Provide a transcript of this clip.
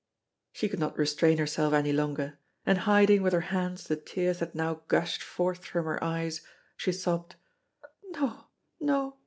She could not restrain herself any longer, and hiding with her hands the tears that now gushed forth from her eyes, she sobbed: "No! no!